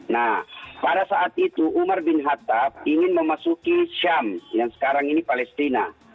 nah pada saat itu umar bin hattap ingin memasuki syam yang sekarang ini palestina